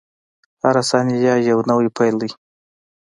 • هره ثانیه یو نوی پیل دی.